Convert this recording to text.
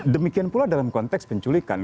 demikian pula dalam konteks penculikan